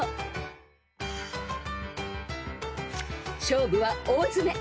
［勝負は大詰め］